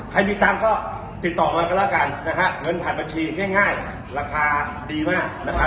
ใครมีตังค์ก็ติดต่อมาก็แล้วกันนะฮะเงินผ่านบัญชีง่ายราคาดีมากนะครับ